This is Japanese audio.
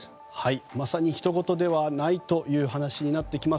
まさにひとごとではないという話になってきます。